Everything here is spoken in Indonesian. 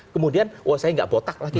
kemudian saya tidak botak lagi